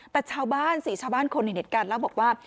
แต่ชาวบ้านสิชาวบ้านคนเห็นเหตุการณ์เล่าบอกว่า